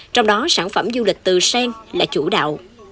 trong đó sản phẩm du lịch từ sen là chủ đạo